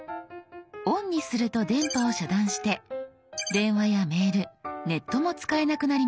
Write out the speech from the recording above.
「ＯＮ」にすると電波を遮断して電話やメールネットも使えなくなります。